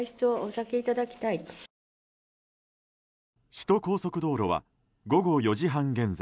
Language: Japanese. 首都高速道路は午後４時半現在